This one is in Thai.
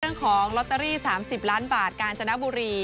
เรื่องของลอตเตอรี่๓๐ล้านบาทกาญจนบุรี